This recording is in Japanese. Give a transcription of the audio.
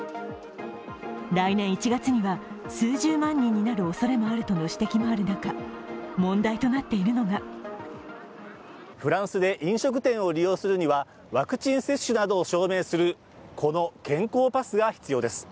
来年１月には数十万人になるおそれもあるという指摘もある中、問題となっているのがフランスで飲食店を利用するにはワクチン接種などを証明する、この健康パスが必要です。